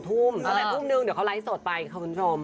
๒ทุ่มต่อไป๒ทุ่มหนึ่งเดี๋ยวเขาไลฟ์สดไปขอคุณผู้ชม